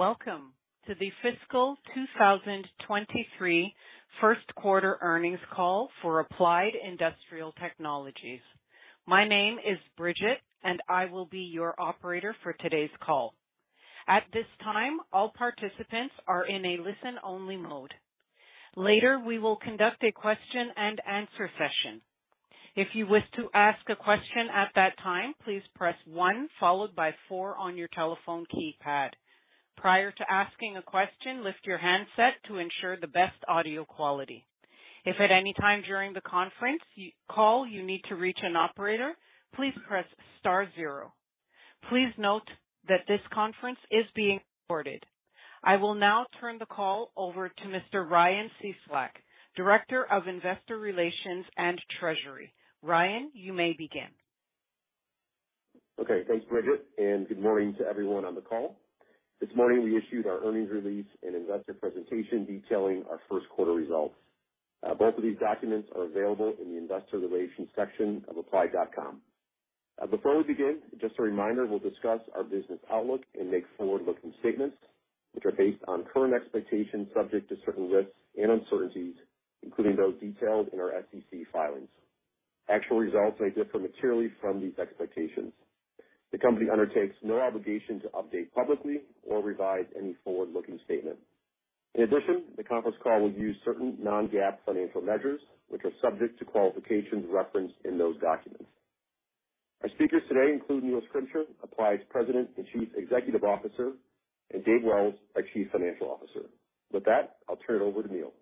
Welcome to the Fiscal 2023 First Quarter Earnings Call for Applied Industrial Technologies. My name is Bridget, and I will be your operator for today's call. At this time, all participants are in a listen-only mode. Later, we will conduct a question-and-answer session. If you wish to ask a question at that time, please press one followed by four on your telephone keypad. Prior to asking a question, lift your handset to ensure the best audio quality. If at any time during the conference call you need to reach an operator, please press star zero. Please note that this conference is being recorded. I will now turn the call over to Mr. Ryan Cieslak, Director of Investor Relations and Treasury. Ryan, you may begin. Okay. Thanks, Bridget, and good morning to everyone on the call. This morning, we issued our earnings release and investor presentation detailing our first quarter results. Both of these documents are available in the investor relations section of applied.com. Before we begin, just a reminder, we'll discuss our business outlook and make forward-looking statements which are based on current expectations subject to certain risks and uncertainties, including those detailed in our SEC filings. Actual results may differ materially from these expectations. The company undertakes no obligation to update publicly or revise any forward-looking statement. In addition, the conference call will use certain non-GAAP financial measures, which are subject to qualifications referenced in those documents. Our speakers today include Neil Schrimsher, Applied's President and Chief Executive Officer, and Dave Wells, our Chief Financial Officer. With that, I'll turn it over to Neil.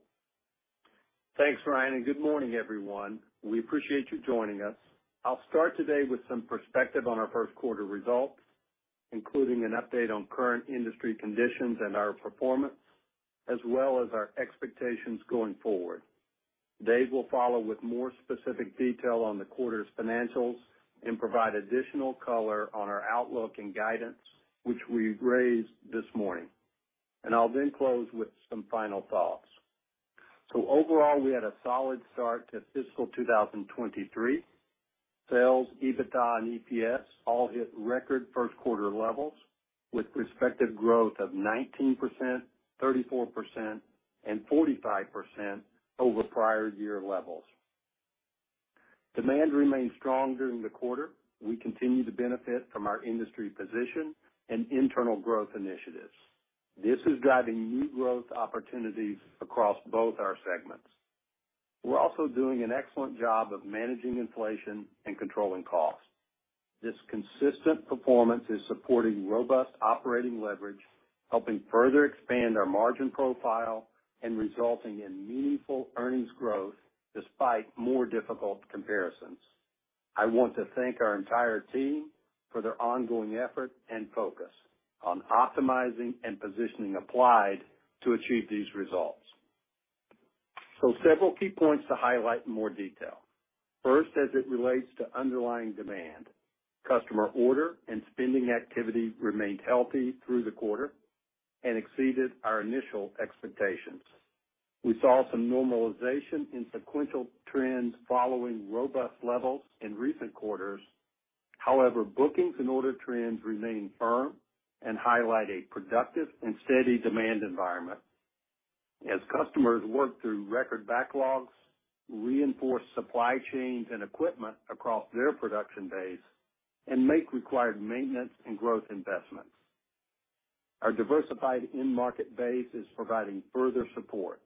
Thanks, Ryan, and good morning, everyone. We appreciate you joining us. I'll start today with some perspective on our first quarter results, including an update on current industry conditions and our performance, as well as our expectations going forward. Dave will follow with more specific detail on the quarter's financials and provide additional color on our outlook and guidance, which we've raised this morning. I'll then close with some final thoughts. Overall, we had a solid start to fiscal 2023. Sales, EBITDA, and EPS all hit record first quarter levels, with respective growth of 19%, 34%, and 45% over prior year levels. Demand remained strong during the quarter. We continue to benefit from our industry position and internal growth initiatives. This is driving new growth opportunities across both our segments. We're also doing an excellent job of managing inflation and controlling costs. This consistent performance is supporting robust operating leverage, helping further expand our margin profile and resulting in meaningful earnings growth despite more difficult comparisons. I want to thank our entire team for their ongoing effort and focus on optimizing and positioning Applied to achieve these results. Several key points to highlight in more detail. First, as it relates to underlying demand. Customer order and spending activity remained healthy through the quarter and exceeded our initial expectations. We saw some normalization in sequential trends following robust levels in recent quarters. However, bookings and order trends remain firm and highlight a productive and steady demand environment as customers work through record backlogs, reinforce supply chains and equipment across their production base, and make required maintenance and growth investments. Our diversified end market base is providing further support.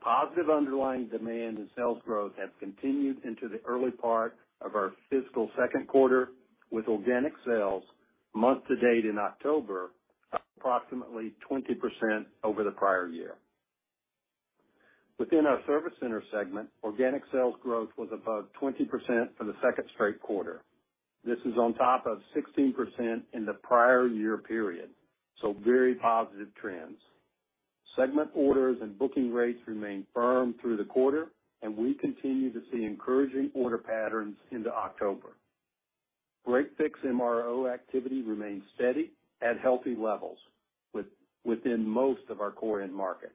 Positive underlying demand and sales growth have continued into the early part of our fiscal second quarter, with organic sales month to date in October up approximately 20% over the prior year. Within our Service Center segment, organic sales growth was above 20% for the second straight quarter. This is on top of 16% in the prior year period, so very positive trends. Segment orders and booking rates remained firm through the quarter, and we continue to see encouraging order patterns into October. Break-fix MRO activity remains steady at healthy levels within most of our core end markets.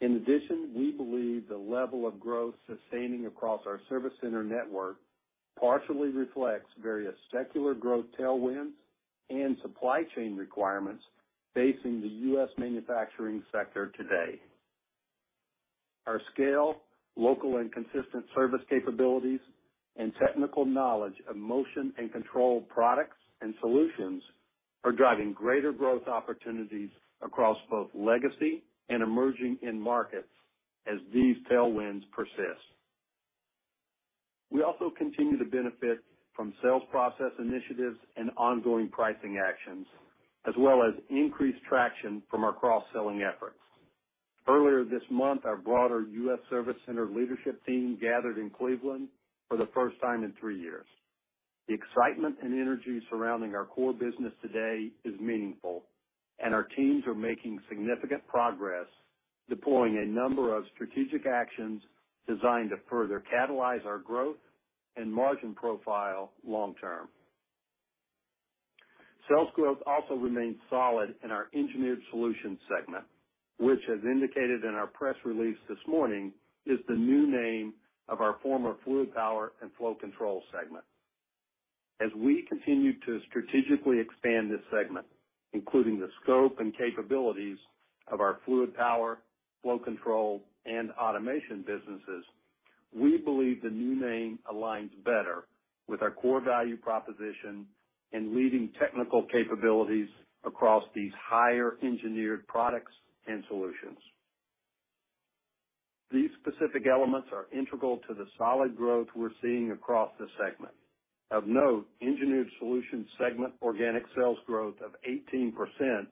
In addition, we believe the level of growth sustaining across our service center network partially reflects various secular growth tailwinds and supply chain requirements facing the U.S. manufacturing sector today. Our scale, local and consistent service capabilities, and technical knowledge of motion and control products and solutions are driving greater growth opportunities across both legacy and emerging end markets as these tailwinds persist. We also continue to benefit from sales process initiatives and ongoing pricing actions, as well as increased traction from our cross-selling efforts. Earlier this month, our broader U.S. Service Center leadership team gathered in Cleveland for the first time in three years. The excitement and energy surrounding our core business today is meaningful, and our teams are making significant progress deploying a number of strategic actions designed to further catalyze our growth and margin profile long term. Sales growth also remained solid in our Engineered Solutions segment, which, as indicated in our press release this morning, is the new name of our former Fluid Power & Flow Control segment. As we continue to strategically expand this segment, including the scope and capabilities of our fluid power, flow control, and automation businesses, we believe the new name aligns better with our core value proposition and leading technical capabilities across these higher engineered products and solutions. These specific elements are integral to the solid growth we're seeing across the segment. Of note, Engineered Solutions segment organic sales growth of 18%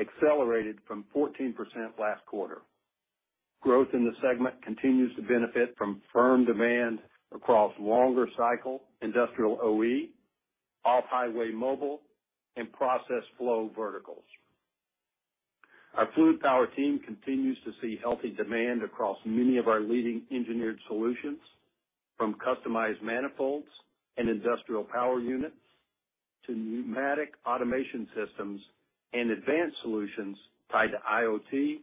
accelerated from 14% last quarter. Growth in the segment continues to benefit from firm demand across longer cycle industrial OE, off-highway mobile, and process flow verticals. Our fluid power team continues to see healthy demand across many of our leading Engineered Solutions, from customized manifolds and industrial power units to pneumatic automation systems and advanced solutions tied to IoT,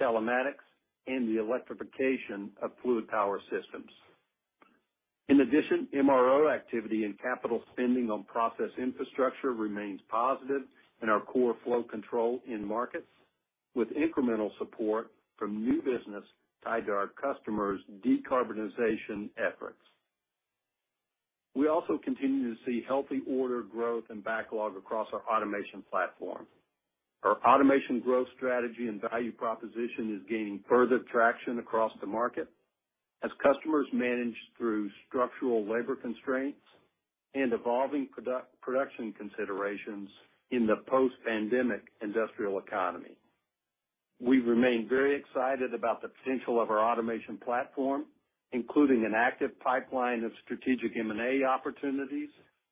telematics, and the electrification of fluid power systems. In addition, MRO activity and capital spending on process infrastructure remains positive in our core flow control end markets, with incremental support from new business tied to our customers' decarbonization efforts. We also continue to see healthy order growth and backlog across our automation platform. Our automation growth strategy and value proposition is gaining further traction across the market as customers manage through structural labor constraints and evolving production considerations in the post-pandemic industrial economy. We remain very excited about the potential of our automation platform, including an active pipeline of strategic M&A opportunities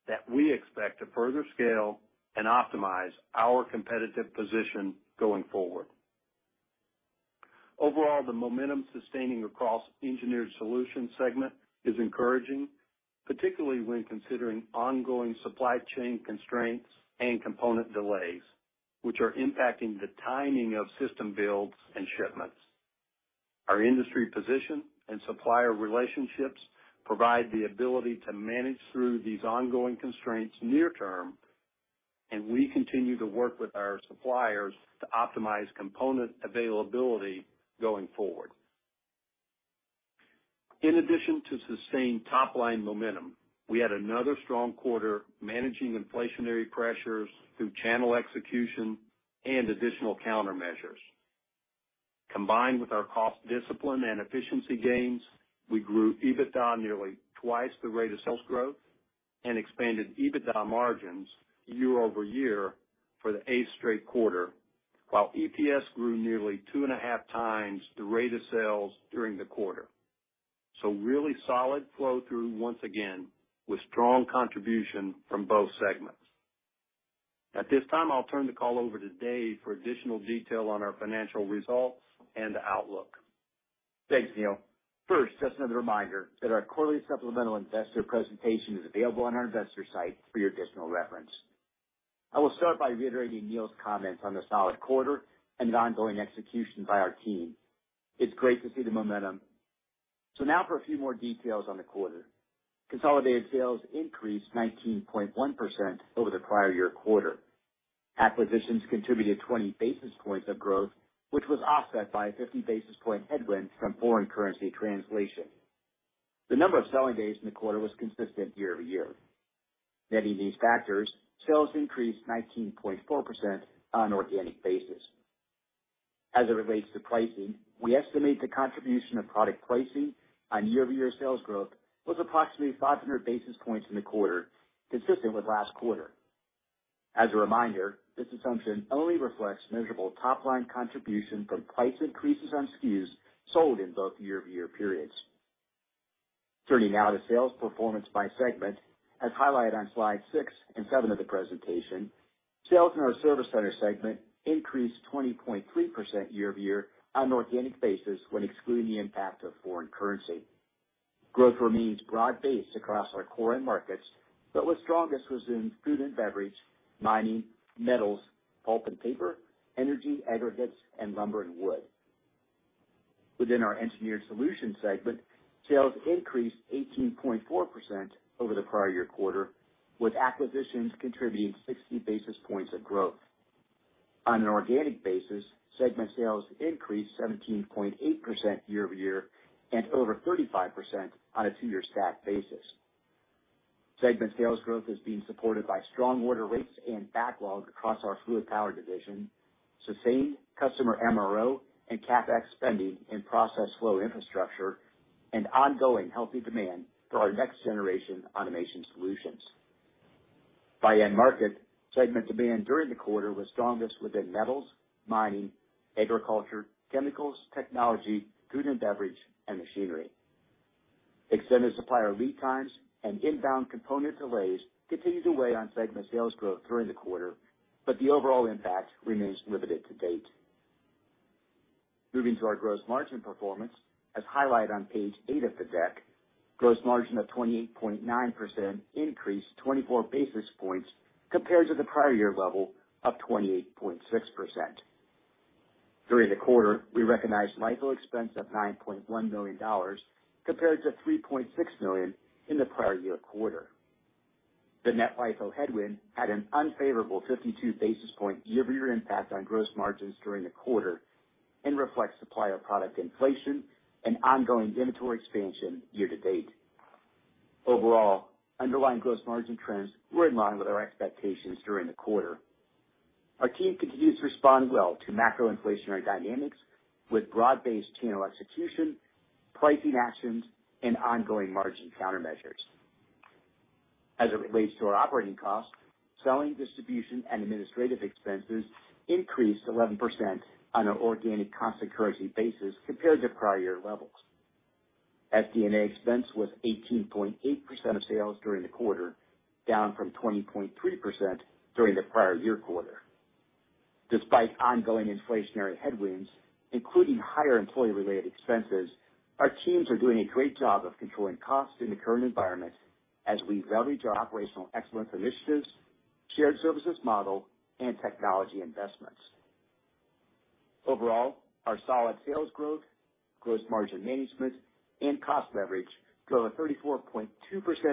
that we expect to further scale and optimize our competitive position going forward. Overall, the momentum sustaining across the Engineered Solutions segment is encouraging, particularly when considering ongoing supply chain constraints and component delays, which are impacting the timing of system builds and shipments. Our industry position and supplier relationships provide the ability to manage through these ongoing constraints near term, and we continue to work with our suppliers to optimize component availability going forward. In addition to sustained top-line momentum, we had another strong quarter managing inflationary pressures through channel execution and additional countermeasures. Combined with our cost discipline and efficiency gains, we grew EBITDA nearly twice the rate of sales growth and expanded EBITDA margins year-over-year for the eighth straight quarter, while EPS grew nearly two and a half times the rate of sales during the quarter. Really solid flow through once again with strong contribution from both segments. At this time, I'll turn the call over to Dave for additional detail on our financial results and outlook. Thanks, Neil. First, just another reminder that our quarterly supplemental investor presentation is available on our investor site for your additional reference. I will start by reiterating Neil's comments on the solid quarter and the ongoing execution by our team. It's great to see the momentum. Now for a few more details on the quarter. Consolidated sales increased 19.1% over the prior-year quarter. Acquisitions contributed 20 basis points of growth, which was offset by a 50 basis point headwind from foreign currency translation. The number of selling days in the quarter was consistent year-over-year. Netting these factors, sales increased 19.4% on an organic basis. As it relates to pricing, we estimate the contribution of product pricing on year-over-year sales growth was approximately 500 basis points in the quarter, consistent with last quarter. As a reminder, this assumption only reflects measurable top-line contribution from price increases on SKUs sold in both year-over-year periods. Turning now to sales performance by segment. As highlighted on slide six and seven of the presentation, sales in our Service Center segment increased 20.3% year-over-year on an organic basis when excluding the impact of foreign currency. Growth remains broad-based across our core end markets, but what's strongest was in food and beverage, mining, metals, pulp and paper, energy, aggregates, and lumber and wood. Within our Engineered Solutions segment, sales increased 18.4% over the prior-year quarter, with acquisitions contributing 60 basis points of growth. On an organic basis, segment sales increased 17.8% year-over-year and over 35% on a two-year stack basis. Segment sales growth is being supported by strong order rates and backlog across our fluid power division, sustained customer MRO and CapEx spending in process flow infrastructure, and ongoing healthy demand for our next-generation automation solutions. By end market, segment demand during the quarter was strongest within metals, mining, agriculture, chemicals, technology, food and beverage, and machinery. Extended supplier lead times and inbound component delays continued to weigh on segment sales growth during the quarter, but the overall impact remains limited to date. Moving to our gross margin performance, as highlighted on page 8 of the deck, gross margin of 28.9% increased 24 basis points compared to the prior year level of 28.6%. During the quarter, we recognized LIFO expense of $9.1 million compared to $3.6 million in the prior year quarter. The net LIFO headwind had an unfavorable 52 basis points year-over-year impact on gross margins during the quarter and reflects supplier product inflation and ongoing inventory expansion year-to-date. Overall, underlying gross margin trends were in line with our expectations during the quarter. Our team continues to respond well to macro inflationary dynamics with broad-based channel execution, pricing actions, and ongoing margin countermeasures. As it relates to our operating costs, selling, distribution, and administrative expenses increased 11% on an organic constant currency basis compared to prior year levels. SG&A expense was 18.8% of sales during the quarter, down from 20.3% during the prior year quarter. Despite ongoing inflationary headwinds, including higher employee-related expenses, our teams are doing a great job of controlling costs in the current environment as we leverage our operational excellence initiatives, shared services model, and technology investments. Overall, our solid sales growth, gross margin management, and cost leverage drove a 34.2%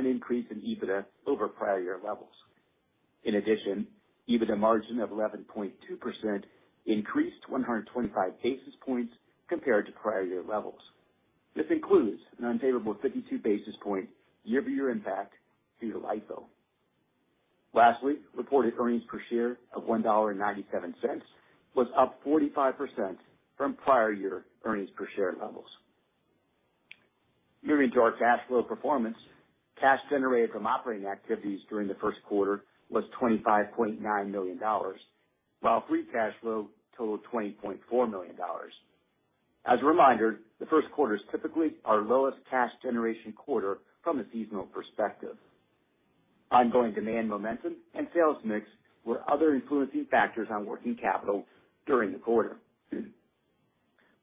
increase in EBITDA over prior year levels. In addition, EBITDA margin of 11.2% increased 125 basis points compared to prior year levels. This includes an unfavorable 52 basis points year-over-year impact due to LIFO. Lastly, reported earnings per share of $1.97 was up 45% from prior year earnings per share levels. Moving to our cash flow performance. Cash generated from operating activities during the first quarter was $25.9 million, while free cash flow totaled $20.4 million. As a reminder, the first quarter is typically our lowest cash generation quarter from a seasonal perspective. Ongoing demand momentum and sales mix were other influencing factors on working capital during the quarter.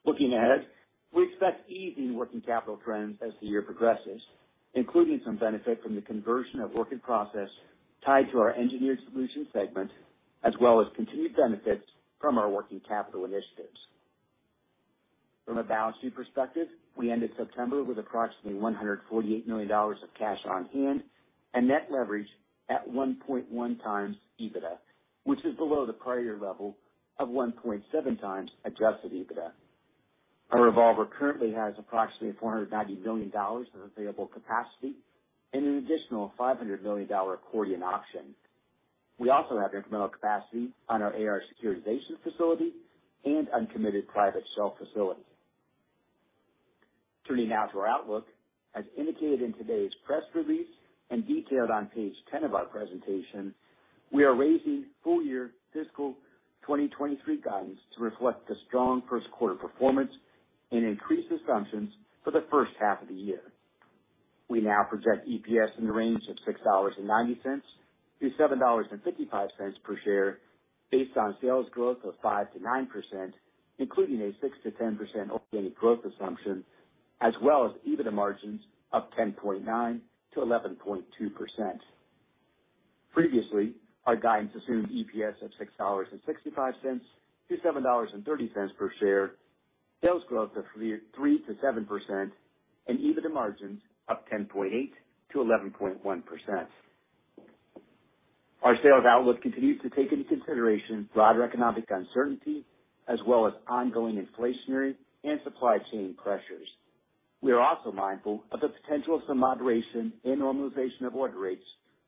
Looking ahead, we expect easing working capital trends as the year progresses, including some benefit from the conversion of work in process tied to our Engineered Solutions segment, as well as continued benefits from our working capital initiatives. From a balance sheet perspective, we ended September with approximately $148 million of cash on hand and net leverage at 1.1x EBITDA, which is below the prior year level of 1.7x adjusted EBITDA. Our revolver currently has approximately $490 million of available capacity and an additional $500 million accordion option. We also have incremental capacity on our AR securitization facility and uncommitted private shelf facility. Turning now to our outlook. As indicated in today's press release and detailed on page 10 of our presentation, we are raising full year fiscal 2023 guidance to reflect the strong first quarter performance and increased assumptions for the first half of the year. We now project EPS in the range of $6.90-$7.55 per share based on sales growth of 5%-9%, including a 6%-10% organic growth assumption as well as EBITDA margins of 10.9%-11.2%. Previously, our guidance assumed EPS of $6.65-$7.30 per share, sales growth of 3%-7%, and EBITDA margins of 10.8%-11.1%. Our sales outlook continues to take into consideration broader economic uncertainty as well as ongoing inflationary and supply chain pressures. We are also mindful of the potential of some moderation and normalization of order rates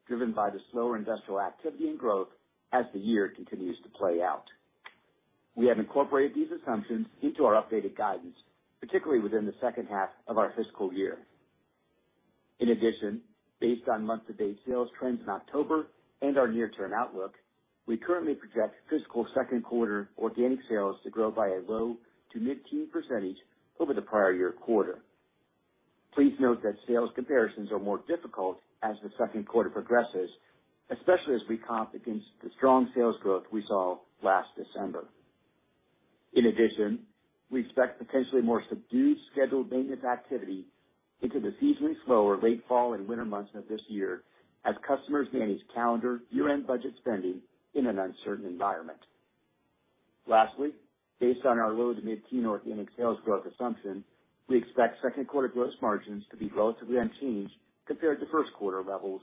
driven by the slower industrial activity and growth as the year continues to play out. We have incorporated these assumptions into our updated guidance, particularly within the second half of our fiscal year. In addition, based on month-to-date sales trends in October and our near-term outlook, we currently project fiscal second quarter organic sales to grow by a low to mid-teen % over the prior year quarter. Please note that sales comparisons are more difficult as the second quarter progresses, especially as we comp against the strong sales growth we saw last December. In addition, we expect potentially more subdued scheduled maintenance activity into the seasonally slower late fall and winter months of this year as customers manage calendar year-end budget spending in an uncertain environment. Lastly, based on our low- to mid-teen organic sales growth assumption, we expect second quarter gross margins to be relatively unchanged compared to first quarter levels,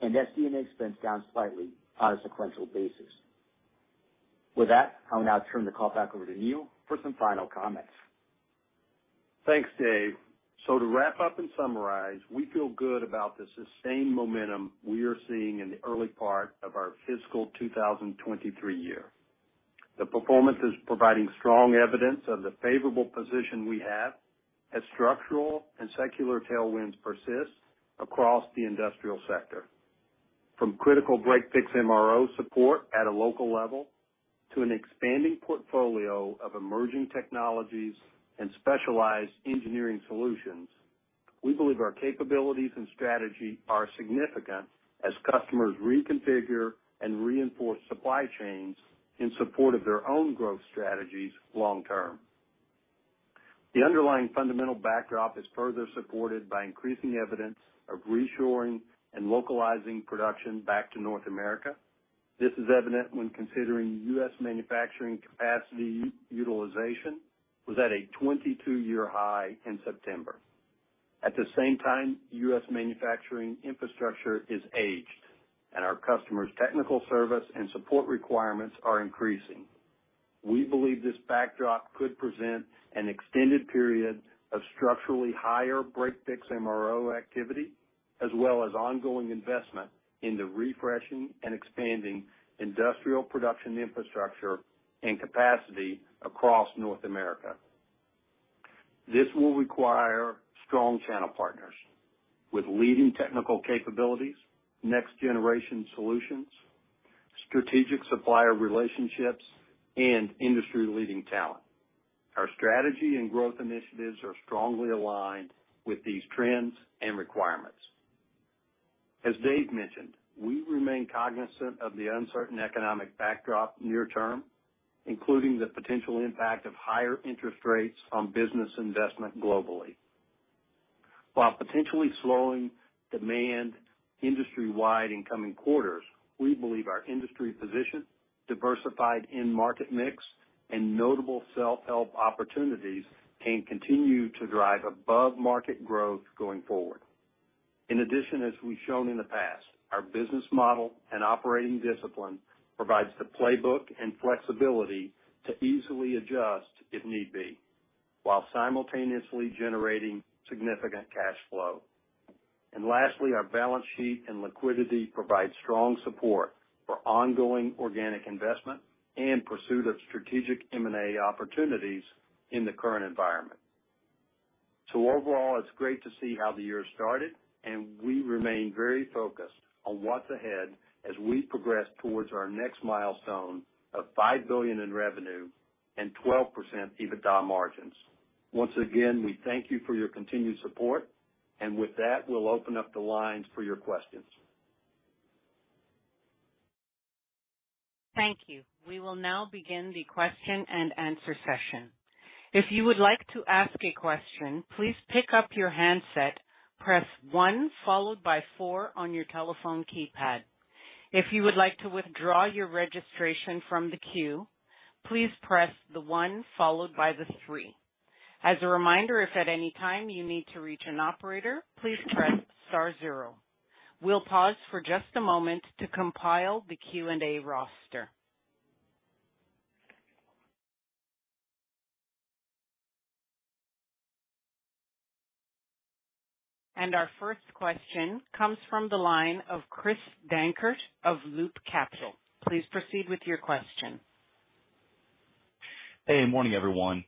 and SG&A expense down slightly on a sequential basis. With that, I'll now turn the call back over to Neil for some final comments. Thanks, Dave. To wrap up and summarize, we feel good about the sustained momentum we are seeing in the early part of our fiscal 2023 year. The performance is providing strong evidence of the favorable position we have as structural and secular tailwinds persist across the industrial sector. From critical break-fix MRO support at a local level to an expanding portfolio of emerging technologies and specialized engineering solutions, we believe our capabilities and strategy are significant as customers reconfigure and reinforce supply chains in support of their own growth strategies long term. The underlying fundamental backdrop is further supported by increasing evidence of reshoring and localizing production back to North America. This is evident when considering U.S. manufacturing capacity utilization was at a 22-year high in September. At the same time, U.S. manufacturing infrastructure is aged and our customers' technical service and support requirements are increasing. We believe this backdrop could present an extended period of structurally higher break-fix MRO activity, as well as ongoing investment in the refreshing and expanding industrial production infrastructure and capacity across North America. This will require strong channel partners with leading technical capabilities, next generation solutions, strategic supplier relationships, and industry-leading talent. Our strategy and growth initiatives are strongly aligned with these trends and requirements. As Dave mentioned, we remain cognizant of the uncertain economic backdrop near term, including the potential impact of higher interest rates on business investment globally. While potentially slowing demand industry-wide in coming quarters, we believe our industry position, diversified end market mix, and notable self-help opportunities can continue to drive above market growth going forward. In addition, as we've shown in the past, our business model and operating discipline provides the playbook and flexibility to easily adjust if need be, while simultaneously generating significant cash flow. Lastly, our balance sheet and liquidity provide strong support for ongoing organic investment and pursuit of strategic M&A opportunities in the current environment. Overall, it's great to see how the year started and we remain very focused on what's ahead as we progress towards our next milestone of $5 billion in revenue and 12% EBITDA margins. Once again, we thank you for your continued support. With that, we'll open up the lines for your questions. Thank you. We will now begin the question-and-answer session. If you would like to ask a question, please pick up your handset, press one followed by four on your telephone keypad. If you would like to withdraw your registration from the queue, please press the one followed by the three. As a reminder, if at any time you need to reach an operator, please press star zero. We'll pause for just a moment to compile the Q&A roster. Our first question comes from the line of Christopher Dankert of Loop Capital. Please proceed with your question. Hey, morning, everyone.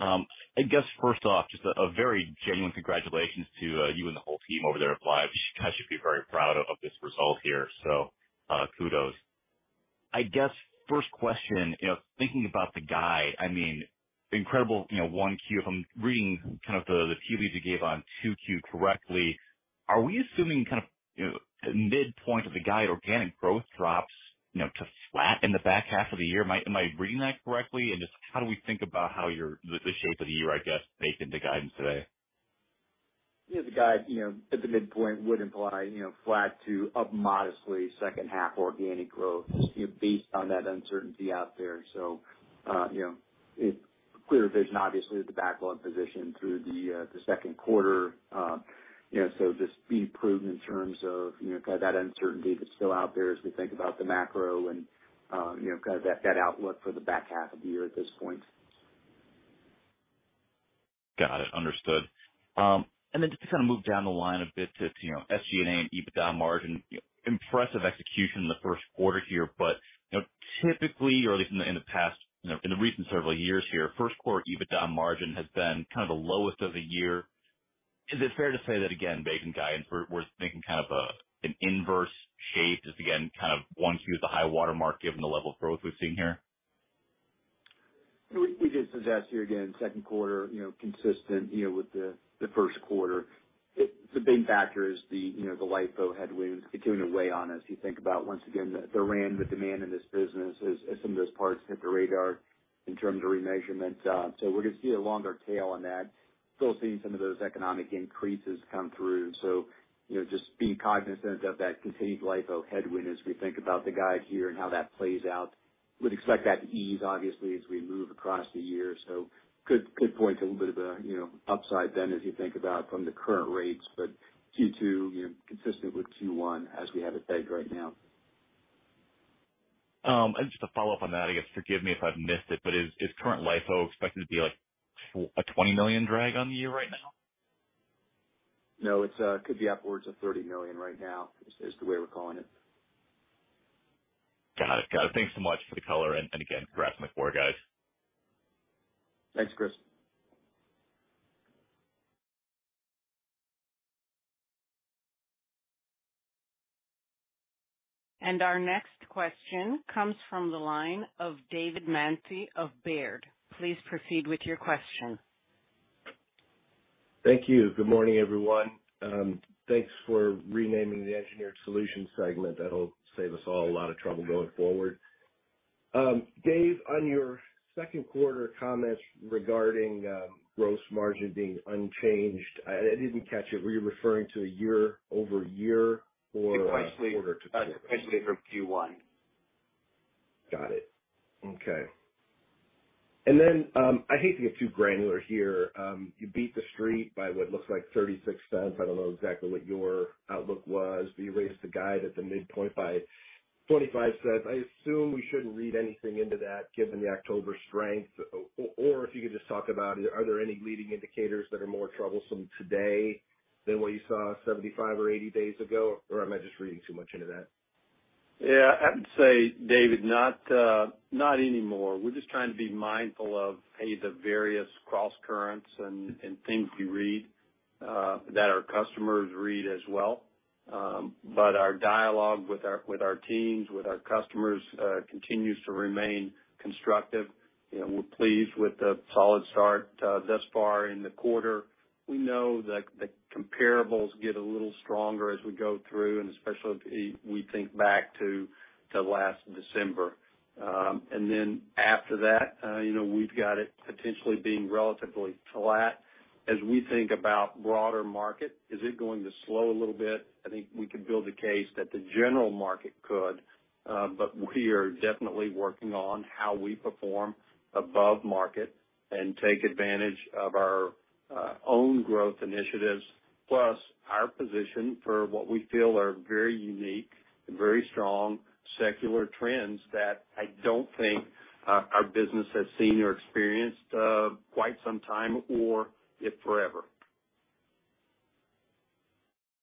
I guess first off, just a very genuine congratulations to you and the whole team over there at Applied. You guys should be very proud of this result here, so kudos. I guess first question, you know, thinking about the guide, I mean, incredible, you know, 1Q if I'm reading kind of the preview you gave on 2Q correctly, are we assuming kind of, you know, midpoint of the guide, organic growth drops, you know, to flat in the back half of the year? Am I reading that correctly? And just how do we think about the shape of the year, I guess, baked into guidance today? Yeah. The guide, you know, at the midpoint would imply, you know, flat to up modestly second half organic growth, you know, based on that uncertainty out there. You know, it's clear vision obviously at the backlog position through the second quarter. You know, just being prudent in terms of, you know, kind of that uncertainty that's still out there as we think about the macro and, you know, kind of that outlook for the back half of the year at this point. Got it. Understood. And then just to kind of move down the line a bit to, you know, SG&A and EBITDA margin, impressive execution in the first quarter here, but, you know, typically or at least in the past, you know, in the recent several years here, first quarter EBITDA margin has been kind of the lowest of the year. Is it fair to say that again baked in guidance, we're thinking kind of an inverse shape, just again, kind of one Q is the high water mark given the level of growth we're seeing here? We did suggest here again, second quarter, you know, consistent, you know, with the first quarter. The big factor is you know, the LIFO headwinds continuing to weigh on as you think about once again the end, the demand in this business as some of those parts hit the radar in terms of remeasurement. We're gonna see a longer tail on that. Still seeing some of those economic increases come through. You know, just being cognizant of that continued LIFO headwind as we think about the guide here and how that plays out. We'd expect that to ease obviously as we move across the year. Good points. A little bit of a, you know, upside then as you think about from the current rates. Q2, you know, consistent with Q1 as we have it pegged right now. Just to follow up on that, I guess forgive me if I've missed it, but is current LIFO expected to be like a $20 million drag on the year right now? No. It could be upwards of $30 million right now, is the way we're calling it. Got it. Thanks so much for the color and again, congrats on the quarter, guys. Thanks, Chris. Our next question comes from the line of David Manthey of Baird. Please proceed with your question. Thank you. Good morning, everyone. Thanks for renaming the Engineered Solutions segment. That'll save us all a lot of trouble going forward. Dave, on your second quarter comments regarding gross margin being unchanged, I didn't catch it. Were you referring to a year-over-year or quarter-to-quarter? Sequentially from Q1. Got it. Okay. I hate to get too granular here. You beat the street by what looks like $0.36. I don't know exactly what your outlook was, but you raised the guide at the midpoint by $0.25. I assume we shouldn't read anything into that given the October strength, or if you could just talk about it, are there any leading indicators that are more troublesome today than what you saw 75 or 80 days ago? Am I just reading too much into that? Yeah. I'd say, David, not anymore. We're just trying to be mindful of the various crosscurrents and things we read that our customers read as well. Our dialogue with our teams with our customers continues to remain constructive. You know, we're pleased with the solid start thus far in the quarter. We know that the comparables get a little stronger as we go through and especially if we think back to last December. After that, you know, we've got it potentially being relatively flat. As we think about broader market, is it going to slow a little bit? I think we could build a case that the general market could, but we are definitely working on how we perform above market and take advantage of our own growth initiatives. Plus our position for what we feel are very unique and very strong secular trends that I don't think our business has seen or experienced quite some time, or if forever.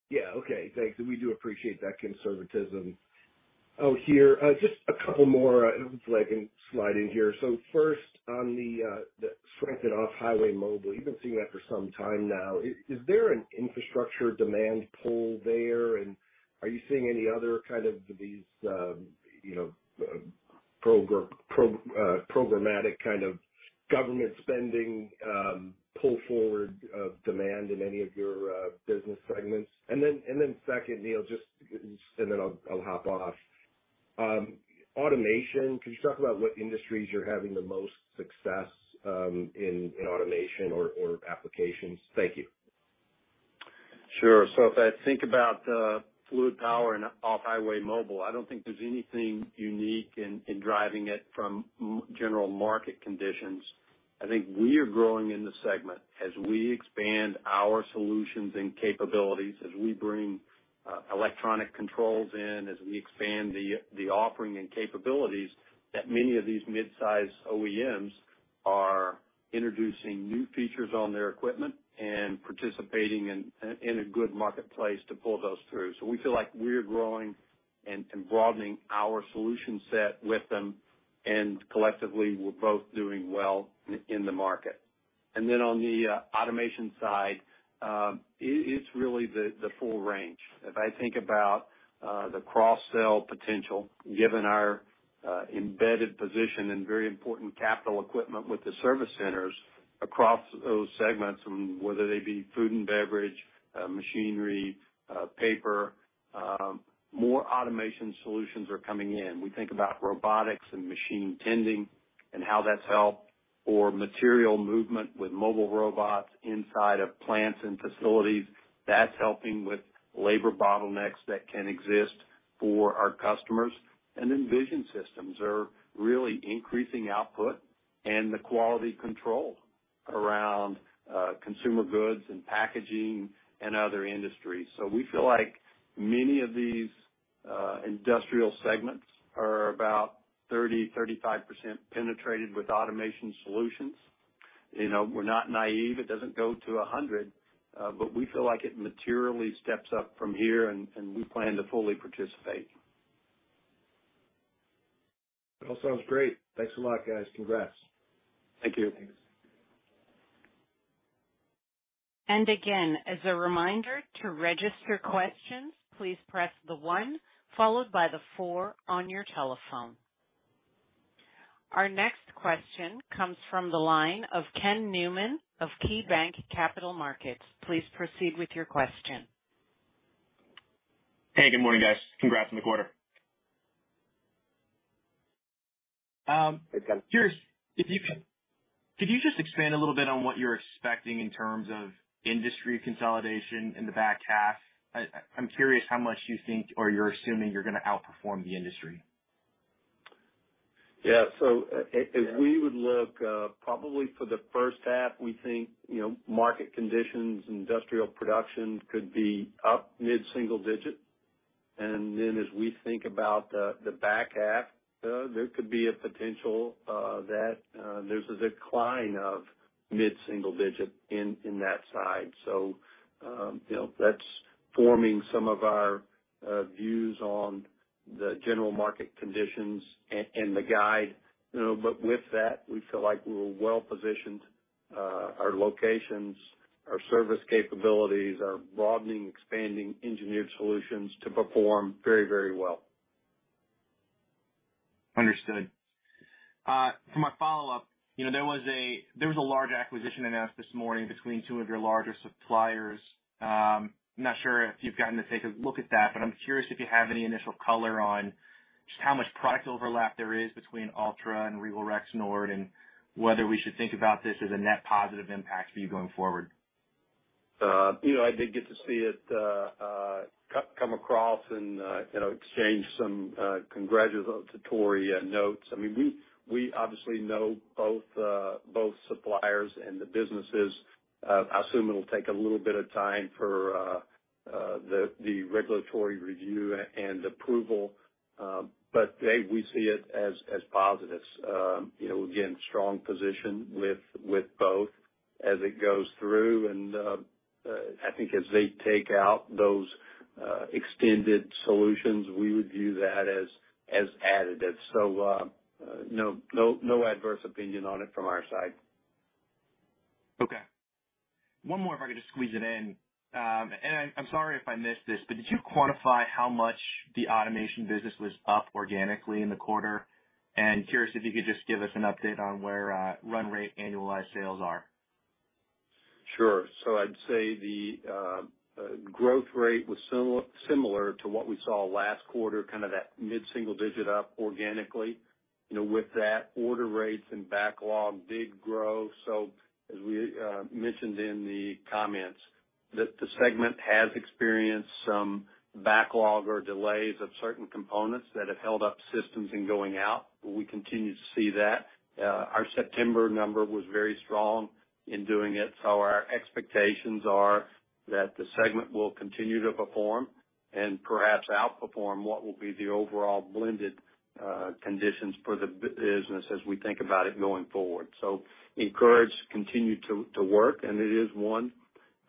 Yeah. Okay. Thanks. We do appreciate that conservatism. Oh, here, just a couple more if I can slide in here. First on the strength in off-highway mobile. You've been seeing that for some time now. Is there an infrastructure demand pull there? Are you seeing any other kind of these, you know, programmatic kind of government spending, pull forward demand in any of your business segments? Second, Neil, just, and then I'll hop off. Automation, can you talk about what industries you're having the most success in automation or applications? Thank you. Sure. If I think about Fluid Power and off-highway mobile, I don't think there's anything unique in driving it from general market conditions. I think we are growing in the segment as we expand our solutions and capabilities, as we bring electronic controls in, as we expand the offering and capabilities that many of these midsize OEMs are introducing new features on their equipment and participating in a good marketplace to pull those through. We feel like we're growing and broadening our solution set with them, and collectively we're both doing well in the market. Then on the automation side, it's really the full range. If I think about the cross sell potential, given our embedded position and very important capital equipment with the service centers across those segments, and whether they be food and beverage, machinery, paper, more automation solutions are coming in. We think about robotics and machine tending and how that's helped, or material movement with mobile robots inside of plants and facilities. That's helping with labor bottlenecks that can exist for our customers. Vision systems are really increasing output and the quality control around consumer goods and packaging and other industries. We feel like many of these industrial segments are about 30%-35% penetrated with automation solutions. You know, we're not naive. It doesn't go to 100, but we feel like it materially steps up from here and we plan to fully participate. It all sounds great. Thanks a lot, guys. Congrats. Thank you. Thanks. Again, as a reminder, to register questions, please press the one followed by the four on your telephone. Our next question comes from the line of Kenneth Newman of KeyBanc Capital Markets. Please proceed with your question. Hey, good morning, guys. Congrats on the quarter. Hey, Ken. Curious if you could just expand a little bit on what you're expecting in terms of industry consolidation in the back half? I'm curious how much you think or you're assuming you're gonna outperform the industry. Yeah. If we would look probably for the first half, we think, you know, market conditions and industrial production could be up mid-single-digit. As we think about the back half, there could be a potential that there's a decline of mid-single-digit in that side. You know, that's forming some of our views on the general market conditions and the guide. You know, with that we feel like we're well positioned, our locations, our service capabilities, our broadening, expanding Engineered Solutions to perform very, very well. Understood. For my follow-up. You know, there was a large acquisition announced this morning between two of your larger suppliers. I'm not sure if you've gotten to take a look at that, but I'm curious if you have any initial color on just how much product overlap there is between Altra and Regal Rexnord and whether we should think about this as a net positive impact for you going forward. You know, I did get to see it come across and, you know, exchange some congratulatory notes. I mean, we obviously know both suppliers and the businesses. I assume it'll take a little bit of time for the regulatory review and approval. We see it as positive. You know, again, strong position with both as it goes through. I think as they take out those extended solutions, we would view that as additive. No adverse opinion on it from our side. Okay. One more, if I could just squeeze it in. I'm sorry if I missed this, but did you quantify how much the automation business was up organically in the quarter? Curious if you could just give us an update on where run rate annualized sales are? Sure. I'd say the growth rate was similar to what we saw last quarter, kind of that mid-single-digit up organically. You know, with that order rates and backlog did grow. As we mentioned in the comments, the segment has experienced some backlog or delays of certain components that have held up systems in going out. We continue to see that. Our September number was very strong in doing it. Our expectations are that the segment will continue to perform and perhaps outperform what will be the overall blended conditions for the business as we think about it going forward. Encouraged, continue to work, and it is one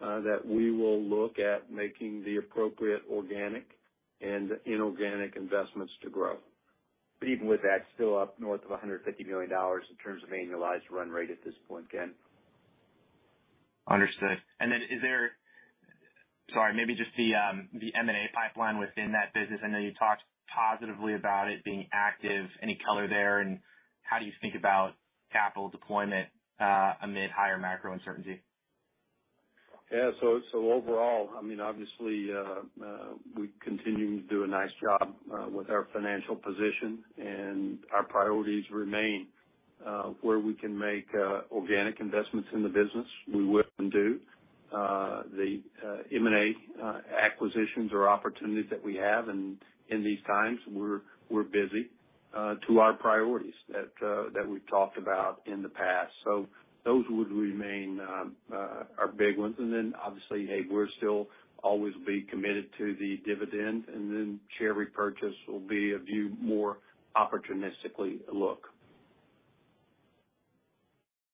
that we will look at making the appropriate organic and inorganic investments to grow. Even with that, still up north of $150 million in terms of annualized run rate at this point, Ken. Understood. Sorry, maybe just the M&A pipeline within that business. I know you talked positively about it being active. Any color there? How do you think about capital deployment amid higher macro uncertainty? Yeah. So overall, I mean, obviously, we continue to do a nice job with our financial position and our priorities remain where we can make organic investments in the business. We will and do. The M&A acquisitions or opportunities that we have, and in these times we're sticking to our priorities that we've talked about in the past. Those would remain our big ones. Obviously, hey, we'll still always be committed to the dividend, and then share repurchase will be viewed more opportunistically.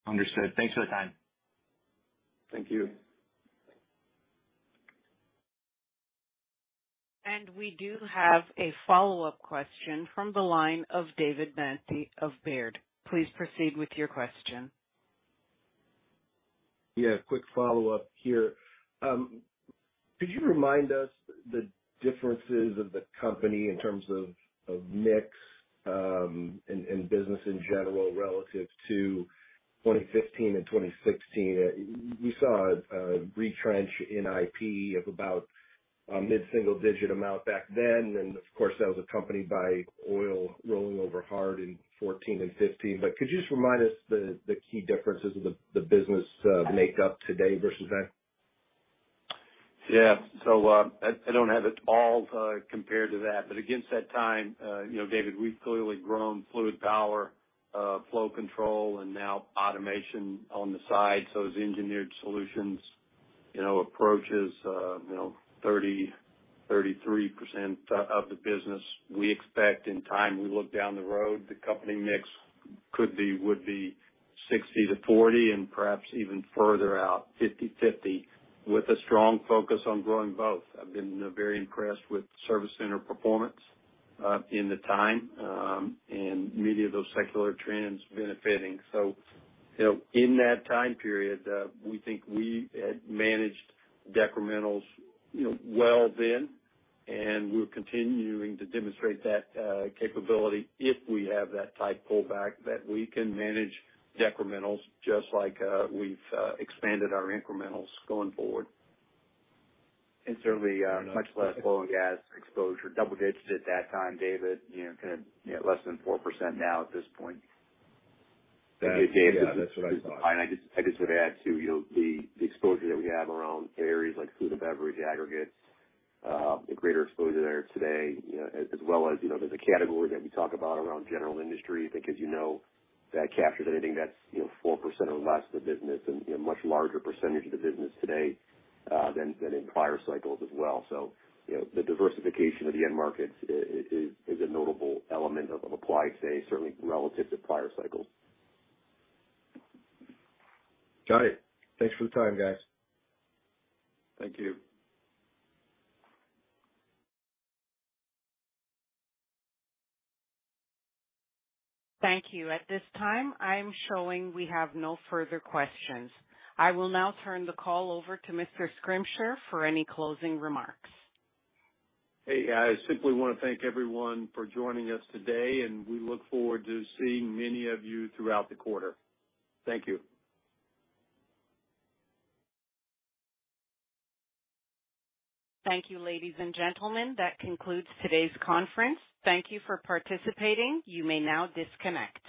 Understood. Thanks for the time. Thank you. We do have a follow-up question from the line of David Manthey of Baird. Please proceed with your question. Yeah, quick follow-up here. Could you remind us the differences of the company in terms of mix and business in general relative to 2015 and 2016? You saw a retrench in IP of about a mid-single-digit amount back then. Of course, that was accompanied by oil rolling over hard in 2014 and 2015. Could you just remind us the key differences of the business makeup today versus then? Yeah. I don't have it all compared to that, but against that time, you know, David, we've clearly grown Fluid Power & Flow Control, and now automation on the side. As Engineered Solutions, you know, approaches 33% of the business. We expect in time, we look down the road, the company mix could be, would be 60-40 and perhaps even further out, 50/50 with a strong focus on growing both. I've been very impressed with service center performance in the time, and many of those secular trends benefiting. You know, in that time period, we think we had managed decrementals, you know, well then, and we're continuing to demonstrate that capability if we have that tight pullback, that we can manage decrementals just like we've expanded our incrementals going forward. Certainly, much less oil and gas exposure. Double digits at that time, David, you know, kind of, less than 4% now at this point. Yeah, that's what I thought. I just would add, too, you know, the exposure that we have around areas like food and beverage aggregates, a greater exposure there today, you know, as well as, you know, there's a category that we talk about around general industry because, you know, that captures anything that's, you know, 4% or less of the business and, you know, much larger percentage of the business today, than in prior cycles as well. You know, the diversification of the end markets is a notable element of Applied today, certainly relative to prior cycles. Got it. Thanks for the time, guys. Thank you. Thank you. At this time, I'm showing we have no further questions. I will now turn the call over to Mr. Schrimsher for any closing remarks. Hey, I simply wanna thank everyone for joining us today, and we look forward to seeing many of you throughout the quarter. Thank you. Thank you, ladies and gentlemen. That concludes today's conference. Thank you for participating. You may now disconnect.